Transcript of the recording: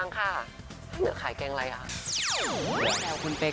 น้ำยาอยู่ไหนจ้าเป๊ก